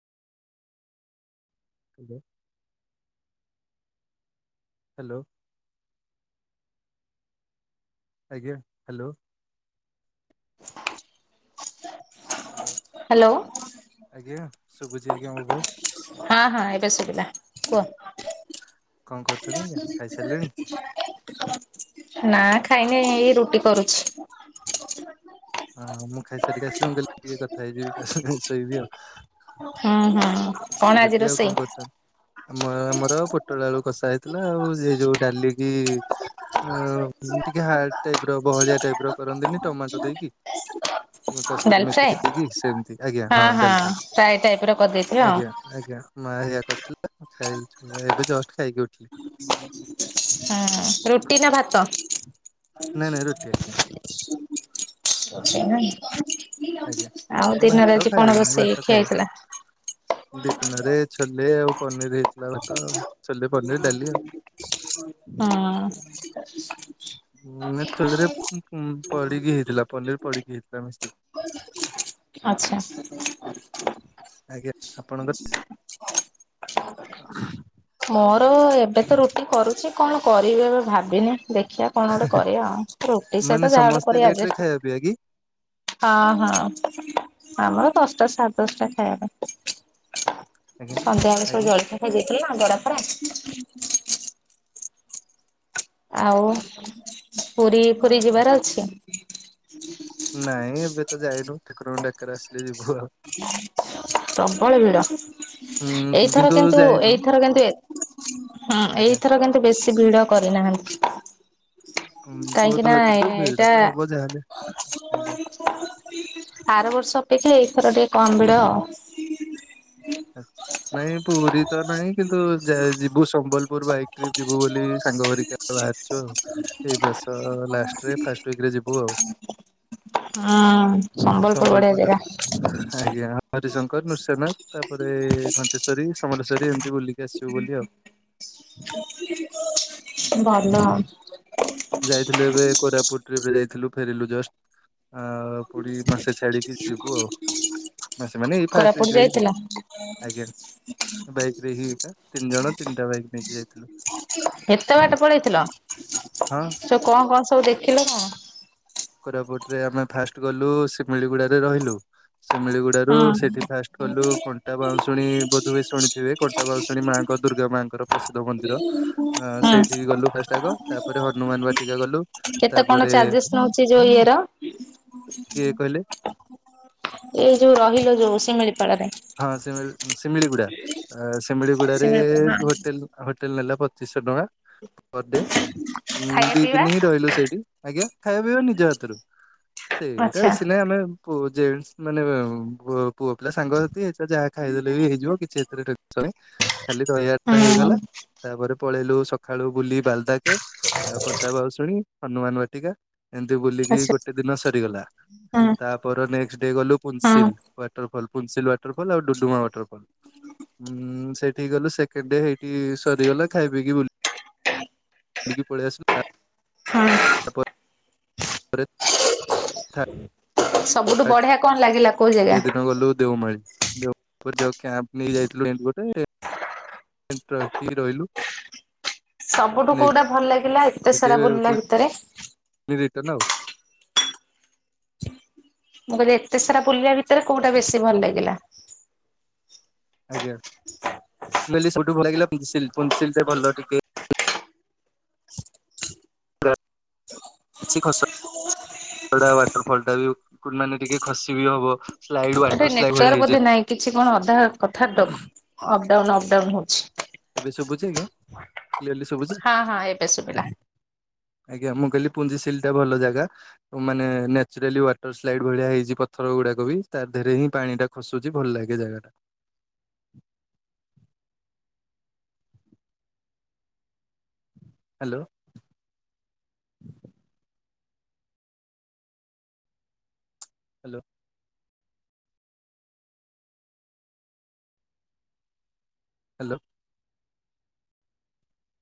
ଆଜ୍ଞା। ହ୍ୟାଲୋ। ଆଜ୍ଞା hello. Hello ଆଜ୍ଞା ଶୁଭୁଛି ଆଜ୍ଞା ମୋ ଭଏଶ୍? ହଁ ହଁ ଏବେ ସୁବିଲା କୁହ? ଆଜ୍ଞା କଣ କରୁଛନ୍ତି ଆଜ୍ଞା ଖାଇସାରିଲେଣି [inaudible] ନା ଖାଇନି ଏଇ ରୁଟି କରୁଛି। ହଁ ମୁଁ ଖାଇସାରିକି ଆସିଲି ମୁଁ କହିଲି ଟିକେ କଥା ହେଇଯିବି ଶୋଇବି ଆଉ। ହୁଁ ହୁଁ କଣ ଆଜି ରୁଟି ଆଉ କଣ ରୋଷେଇ? କରୁଛନ୍ତି ଆମ ଆମର ପୋଟଳ ଆଳୁ କଷା ହେଇଥିଲା ଆଉ ସେ ଯୋଉ ଡାଲି କିି ଅ ଟିକେ ହାର୍ଡ ଟାଇପ୍ ର ବହଳିଆ ଟାଇପ୍ ର କରନ୍ତିନି ଟମାଟୋ ଦେଇକି। ଡାଲ କସ୍ତୁରୀ ମେଥି ଫ୍ରାଏ। ଦେଇକି ସେମିତି ଆଜ୍ଞା ହଁ ଡାଲମା ଫ୍ରାଏ ଟାଇପ ର କରିଦେଇଥିବେ ଆଉ ଆଜ୍ଞା। ଆଜ୍ଞା ମା ହେଇଆ କରିଥିଲା ଖାଇକି ଏବେ ଜଷ୍ଟ ଖାଇକି ଉଠିଲି। ହଁ ରୁଟି ନା ଭାତ? ନାଇଁ ନାଇଁ ରୁଟି। ଆଜ୍ଞା ଆଉ ଦିନରେ ଭାତ ଆଜି ଖାଇ କଣ ରୋଷେଇ ଭାତ ଖିଆ ଖାଇବା ହେଇଥିଲା? ଦିନରେ ଛୋଲେ ଆଉ ପନିର୍ ହେଇ ହୁଁ। ନେ ଚୋଲେରେ ପଡ଼ିକି ହେଇଥିଲା ପନିର ପଡ଼ିକି ହେଇଥିଲା ମିଶିକି, ଆଚ୍ଛା। ଆଜ୍ଞା ଆପଣଙ୍କର [inaudible] ମୋର ଏବେ ତ ରୁଟି କରୁଚି କଣ କରିବି ଏବେ ଭାବିନି ଦେଖିଆ କଣ ଗୋଟେ କରିବା ଆଉ ରୁଟି ସହିତ ଯାହା ଗୋଟେ କରି ଆଡ୍ଜେଷ୍ଟ ପିଆ ହେଇକି ହଁ ହଁ ଆମର ଦଶଟା ସାଢ଼େ ଦଶଟା ଖାଇବା ପାଇଁ। ଆଜ୍ଞା। ସନ୍ଧ୍ୟାବେଳେ ସବୁ ଆଜ୍ଞା ଜଳ ଖିଆ ଖାଇଦେଇଥିଲେ ନା ବରା ଫରା। ଆଉ ପୁରୀ ଫୁରୀ ଯିବାର ଆଜ୍ଞା। ଅଛି? ନାଇଁ ଏବେ ତ ଯାଇନୁ ଠାକୁରଙ୍କ ଡାକରା ଆସିଲେ ଯିବୁ ଆଉ। ପ୍ରବଳ ଭିଡ। ହୁଁ ଏଇଥର କିନ୍ତୁ ଯାଇନୁ ଏଇଥର କିନ୍ତୁ ହଁ ଆଜ୍ଞା ଏଇଥର କିନ୍ତୁ ବେଶୀ ଭିଡ କରିନାହାନ୍ତି। ବହୁତ କାଇଁକି ନା କିନ୍ତୁ ଭିଡ ଏଟା ତ ହବ ଯାହାହେଲେ ଆଜ୍ଞା। ଆର ବର୍ଷ ଅପେକ୍ଷା ଏଇଥର ଟିକେ କମ୍ ଭିଡ ଆଉ। ନାଇଁ ପୁରୀ ତ ନାହିଁ କିନ୍ତୁ ଯିବୁ ସମ୍ବଲପୁର ବାଇ ଟ୍ରିପ୍ ଯିବୁ ବୋଲି ସାଙ୍ଗ ହେରିକା ବାହାରିଛୁ ଆଉ। ଏଇ ମାସ ଲାଷ୍ଟରେ ଫାଷ୍ଟ ୱିଇକରେ ଯିବୁ ଆଉ। ଅଁ ସମ୍ବଲପୁର ବଢିଆ ଜାଗା। ଆଜ୍ଞା ହରିଶଙ୍କର, ନୃଶ୍ୟନାଥ। ତାପରେ ଘଣ୍ଟେଶ୍ଵରୀ ସମଲେଶ୍ୱରୀ ଏମିତି ବୁଲିକି ଆସିବୁ ବୋଲି ଆଉ। ଭଲ। ଯାଇଥିଲୁ ଏବେ କୋରାପୁଟ ଟ୍ରିପ ରେ ଯାଇଥିଲୁ ଫେରିଲୁ ଜଷ୍ଟ। ଆ ପୁଡି ମାସେ ଛାଡିକି ଯିବୁ ଆଉ ମାସେ ମାନେ ଏଇ ଫାଷ୍ଟ କୋରାପୁଟ ୱିଇକ ରେ ହି ଯାଇଥିଲ ଯିବୁ। ଆଜ୍ଞା, ବାଇକ୍ ରେ ହି ଏଟା ତିନି ଜଣ ତିନିଟା ବାଇକ୍ ନେଇକି ଯାଇଥିଲୁ। ଏତେ ବାଟ ପଳେଇଥିଲ ହଁ ସ କଣ କଣ ସବୁ ଦେଖିଲ କଣ? କୋରାପୁଟରେ ଆମେ ଫାଷ୍ଟ ଗଲୁ ଶିମିଳିଗୁଡ଼ାରେ ରହିଲୁ। ସିମିଳିଗୁଡାରୁ ହଁ ସେଠି ଫାଷ୍ଟ ଗଲୁ କ କଣ୍ଟା ବାଉଁଶୁଣୀ ବୋଧୁଏ ଶୁଣିଥିବେ କଣ୍ଟା ବାଉଁଶୁଣୀ ମାଆଙ୍କ ଦୁର୍ଗା ମାଆଙ୍କର ପ୍ରସିଦ୍ଧ ମନ୍ଦିର। ଅ ହଁ ସେଇଠିକି ଗଲୁ ଫାଷ୍ଟ ଆଗ ତାପରେ ହନୁମାନ ବାଟିକା ଗଲୁ। କେତେ କଣ ତାପରେ ଚାର୍ଜେସ୍ ନଉଛି ଯୋଉ ଇଏର କିଏ କହିଲେ? ଏଇ ଯୋଉ ରହିଲ ଯୋଉ ସିମିଳିପାଳ ରେ। ହଁ ସିମି ଶିମିଳି ଗୁଡ଼ା ଶିମିଳିଗୁଡାରେ ଶିମିଳିପାଳ ହଁ ହୋଟେଲ ହୋଟେଲ ନେଲା ପଚିଶ ଟଙ୍କା। ପର ଡେ ଉ ଖାଇବା ଦି ପିଇବା ଦିନ ହିଁ ରହିଲୁ ସେଇଠି ଆଜ୍ଞା ଖାଇବା ପିଇବା ନିଜ ହାତରୁ। ସେଇଟା ଆଚ୍ଛା ବେଶି ନାଇଁ ଆମେ ଜେନସ ମାନେ ପୁଅ ପିଲା ସାଙ୍ଗ ହେଇ ଯାହା ଖାଇଦେଲେ ବି ହେଇଯିବ କିଛି ଏଥିରେ [unintelligible] ଖାଲି ରହିବାଟା ହୁଁ ହେଇଗଲା। ତାପରେ ପଳେଇଲୁ ସକାଳୁ ବୁଲି ବାଲଦା କେବ ଆଉ କଟା ବାଉଁଶୁଣୀ ହନୁମାନ ବାଟିକା। ଏମତି ବୁଲିକି ଆଚ୍ଛା ଗୋଟେ ଦିନ ସରିଗଲା, ହୁଁ। ତା ପର ନେକ୍ସ ଡେ ଗଲୁ ହଁ ପୁନ୍ସିଲ ୱାଟରଫଲ ପୁନ୍ସିଲ ୱାଟରଫଲ ଆଉ ଡୁଡୁମା ୱାଟରଫଲ୍। ହୁଁ ସେଠିକି ଗଲୁ ସେକେଣ୍ଡ ଡେ ହେଇଠି ସରିଗଲା ଖାଇ ପିକି ବୁଲ ବୁଲିକି ପଳେଇ ଆସିଲୁ [unintelligible] [unintelligible] ହରେ ଥା ସବୁଠୁ ବଢିଆ କଣ ଲାଗିଲା କୋଉ ଜାଗା? ତା ଦିନ ଗଲୁ ଦେଓମାଳି। ଦେଓମାଳି ରେ କ୍ୟାମ୍ପ ନେଇ ଯାଇଥିଲୁ [unintelligible] ରହିଲୁ। ସବୁଠୁ ନେକ୍ସଟ୍ କୋଉଟା ଭଲ ଲାଗିଲା ଏତେ ସାରା ବୁଲିଲା ଭିତରେ? ରିଟନ ଆଉ। ମୁଁ କହିଲି ଏତେ ସାରା ବୁଲିବା ଭିତରେ କୋଉଟା ବେଶୀ ଭଲ ଲାଗିଲା? ଆଜ୍ଞା, ମୁଁ କହିଲି ସବୁଠୁ ଭଲ ଲାଗିଲା ପୁନସିଲି, ପୁନସିଲ ଟେ ଭଲ ଟିକେ [unintelligible] ଯୋଉଟା ୱାଟର ଫଲ ଟା ବି ମାନେ ଟିକେ ଖସି ବି ହବ। ସ୍ଲାଇଡ୍ ଗୋଟେ ୱାଟର ସ୍ଲାଇଡ୍ ଭଳିଆ ନେଟୱାର୍ ହେଇଛି ବୋଧେ ନାହିଁ କିଛି କଣ ଅଧା କଥା ଅପଡାଉନ ଅପଡାଉନ ହଉଚି। ଏବେ ଶୁବୁଚି ଆଜ୍ଞା କ୍ଲିଅର୍ଲି ଶୁବୁଚି? ହଁ ହଁ ଏବେ ଶୁଭିଲା। ଆଜ୍ଞା ମୁଁ କହିଲି ପୁଞ୍ଜିସିଲ୍ ଟା ଭଲ ଜାଗା। ମାନେ ନ୍ୟାଚୁରାଲି ୱାଟର୍ ସ୍ଲାଇଡ୍ ଭଳିଆ ହେଇଚି ପଥର ଗୁଡାକ ବି ତାଦେହରେ ହିଁ ପାଣି ଟାକୁ ଖସୁଚି ଭଲ ଲାଗେ ଜାଗା ଟା। ହାଲୋ। Hello hello.